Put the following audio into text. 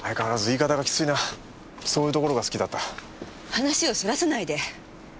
話をそらさないで！